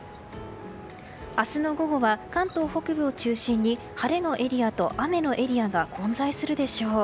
明日の午後は、関東北部を中心に晴れのエリアと雨のエリアが混在するでしょう。